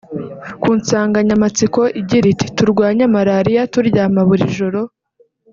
ku nsanganyamatsiko igira iti “Turwanye Malaria turyama buri joro